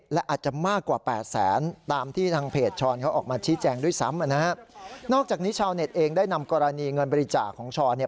และอาจจะมากกว่าแปดแสนตามที่ทางเพจช้อนเขาออกมาชี้แจงด้วยซ้ำนะฮะนอกจากนี้ชาวเน็ตเองได้นำกรณีเงินบริจาคของช้อนเนี่ย